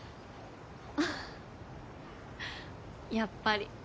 あっやっぱり。